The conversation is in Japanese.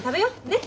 ねっ。